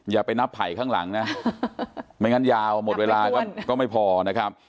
อย่าไปนับไผ่ข้างหลังนะไม่งั้นยาวหมดเวลาก็ไม่พอนะครับ